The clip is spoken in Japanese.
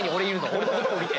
俺のことも見て。